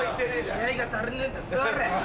気合が足りねえんだ座れ。